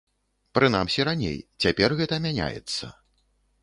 Прынамсі раней, цяпер гэта мяняецца.